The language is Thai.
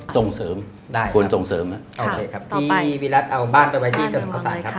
ที่หวิรัติเอาบ้านไปไว้ที่ถนนเกาะสาว